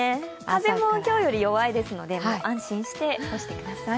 風も今日より弱いので安心して干してください。